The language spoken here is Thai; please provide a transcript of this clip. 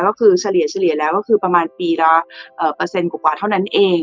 ก็คือเฉลี่ยแล้วก็คือประมาณปีละเปอร์เซ็นต์กว่าเท่านั้นเอง